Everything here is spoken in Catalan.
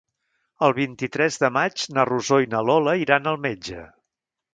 El vint-i-tres de maig na Rosó i na Lola iran al metge.